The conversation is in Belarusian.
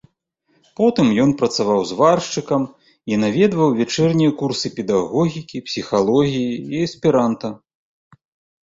Потым ён працаваў зваршчыкам і наведваў вячэрнія курсы педагогікі, псіхалогіі і эсперанта.